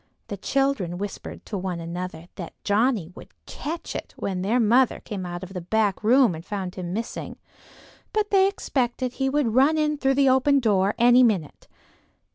The children whispered to one another that Johnnie would "catch it" when their mother came out of the back room and found him missing; but they expected he would run in through the open door any minute.